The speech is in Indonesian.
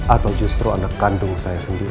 atau justru anak kandung saya sendiri